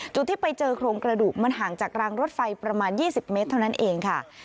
ที่ไปเจอโครงกระดูกมันห่างจากรางรถไฟประมาณ๒๐เมตรเท่านั้นเองค่ะ